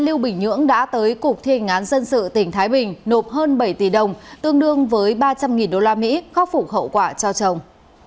lưu bình nhung đã tới cục thiên ngán dân sự tỉnh thái bình nộp hơn bảy tỷ đồng tương đương với ba trăm linh usd khóc phủ khẩu quả cho chồng